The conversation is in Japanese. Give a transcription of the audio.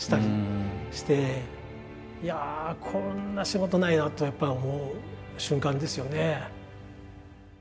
いやあこんな仕事ないなってやっぱり思う瞬間ですよね。